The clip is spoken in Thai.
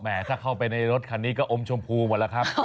ถ้าเข้าไปในรถคันนี้ก็อมชมพูหมดแล้วครับ